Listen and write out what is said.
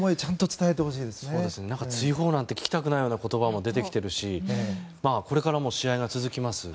追放なんて聞きたくない言葉も出ているしこれからも試合は続きます。